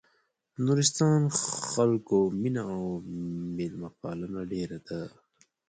د نورستان خلکو مينه او مېلمه پالنه ډېره ده.